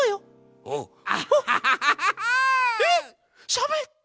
しゃべった！